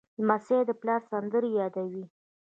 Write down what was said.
لمسی د پلار سندرې یادوي.